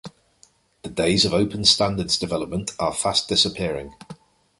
The days of open standards development are fast disappearing.